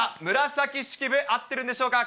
紫式部、あってるんでしょうか。